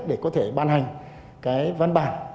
để có thể ban hành cái văn bản